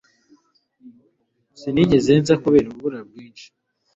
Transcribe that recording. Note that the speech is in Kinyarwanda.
Sinigeze nza kubera urubura rwinshi.